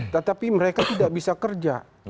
tetapi mereka tidak bisa kerja